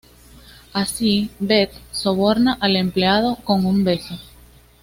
Así Beth soborna al empleado con un beso.